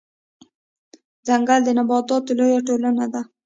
ځنګل د نباتاتو لويه ټولنه ده